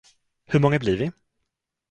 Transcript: Hur många blir vi?